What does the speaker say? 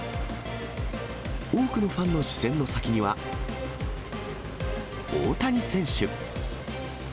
多くのファンの視線の先には、大谷選手。